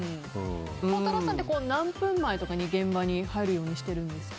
孝太郎さんは何分前とかに現場に入るようにしてるんですか。